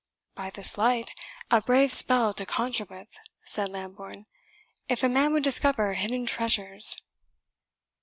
"By this light, a brave spell to conjure with," said Lambourne, "if a man would discover hidden treasures!"